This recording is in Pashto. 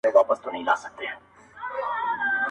o د وجود ساز ته یې رگونه له شرابو جوړ کړل.